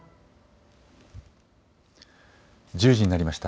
１０時になりました。